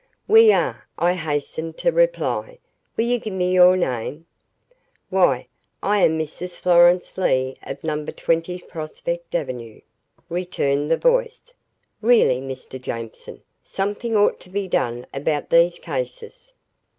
"We are," I hastened to reply. "Will you give me your name?" "Why, I am Mrs. Florence Leigh of number 20 Prospect Avenue," returned the voice. "Really, Mr. Jameson, something ought to be done about these cases."